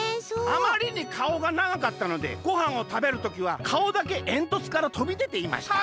「あまりにかおがながかったのでごはんをたべる時はかおだけえんとつからとびでていました」。